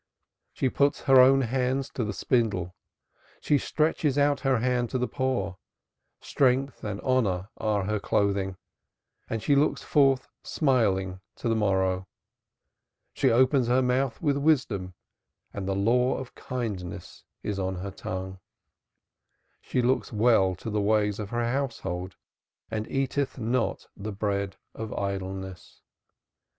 She putteth her own hands to the spindle; she stretcheth out her hand to the poor strength and honor are her clothing and she looketh forth smilingly to the morrow; she openeth her mouth with wisdom and the law of kindness is on her tongue she looketh well to the ways of her household and eateth not the bread of idleness.